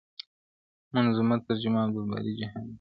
منظومه ترجمه: عبدالباري جهاني-